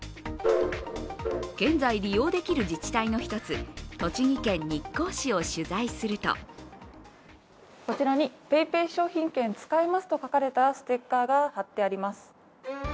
現在利用できる自治体の１つ栃木県日光市を取材するとこちらにＰａｙＰａｙ商品券使えますと書かれたステッカーが貼ってあります。